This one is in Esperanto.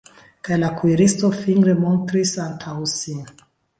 Kaj la kuiristo fingre montris antaŭ sin.